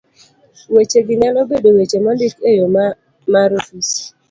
Wechegi nyalo bedo weche mondik e yo ma mar ofis